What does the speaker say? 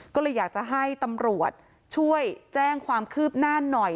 ก็เลยอยากจะให้ตำรวจช่วยแจ้งความคืบหน้าหน่อย